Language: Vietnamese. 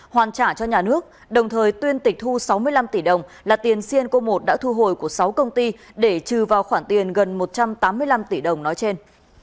hoàn trả cho nhà nước đồng thời tuyên tịch thu sáu mươi năm tỷ đồng là tiền cyanco một đã thu hồi của sáu công ty để trừ vào khoản tiền gần một trăm tám mươi năm tỷ đồng nói trên